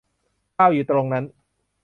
คาร์ลอยู่ตรงนั้น